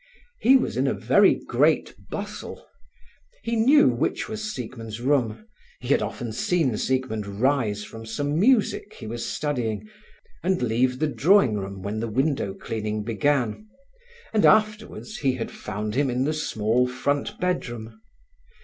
He was in a very great bustle. He knew which was Siegmund's room: he had often seen Siegmund rise from some music he was studying and leave the drawing room when the window cleaning began, and afterwards he had found him in the small front bedroom.